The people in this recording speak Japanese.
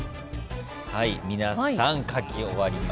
はい皆さん書き終わりました。